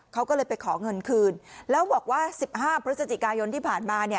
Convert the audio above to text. เขาก็เลยไปขอเงินคืนแล้วบอกว่า๑๕พฤศจิกายนที่ผ่านมาเนี่ย